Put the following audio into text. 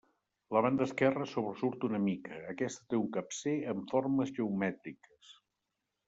La banda esquerra sobresurt una mica, aquesta té un capcer amb formes geomètriques.